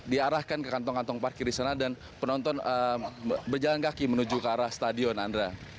diarahkan ke kantong kantong parkir di sana dan penonton berjalan kaki menuju ke arah stadion andra